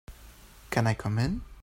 Can I come in?